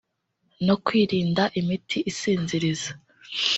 no kwirinda imiti isinziriza